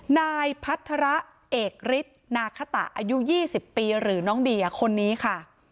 นายพัฒระเอกฤทธิ์นาคตะอายุ๒๐ปีหรือน้องเดียคนนี้ค่ะ